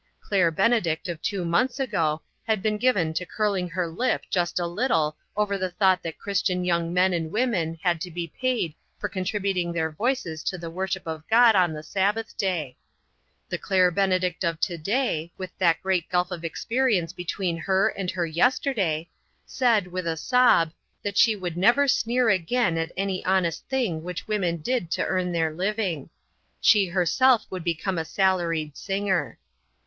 Claire Benedict of two months ago had been given to curling her lip just a little over the thought that Christian young men and women had to be paid for con tributing with their voices to the worship of God on the Sabbath day. The Claire Benedict of to day, with that great gulf of experience between her and her yesterday, 48 INTERRUPTED. said, with a sob, that she would never sneer again at any honest thing which women did to earn their living. She herself would be come a salaried singer.